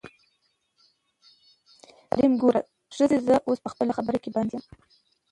کريم : ګوره ښځې زه اوس په خپله خبره کې بند يم.